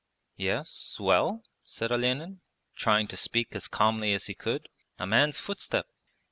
'Yes, well?' said Olenin, trying to speak as calmly as he could. 'A man's footstep!'